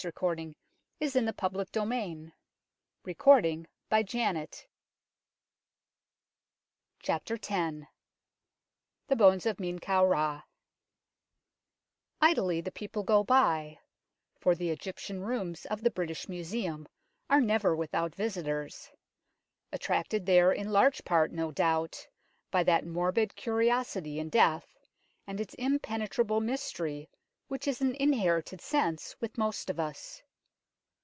Meanwhile, as a suggested origin of London Stone it seems worth considering. X THE BONES OF MEN KAU RA IDLY the people go by, for the Egyptian rooms of the British Museum are never without visitors, attracted there in large part, no doubt, by that morbid curiosity in death and its impenetrable mystery which is an in herited sense with most of us.